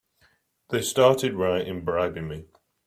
They started right in bribing me!